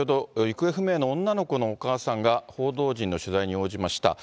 行方不明の女の子のお母さんが、報道陣の取材に応じました。